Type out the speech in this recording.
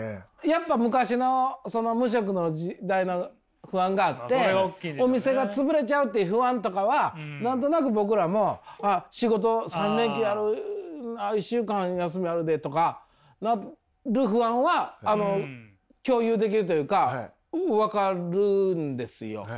やっぱ昔の無職の時代の不安があってお店がつぶれちゃうっていう不安とかは何となく僕らもああ仕事１週間休みあるでとかなる不安は共有できるというか分かるんですよ。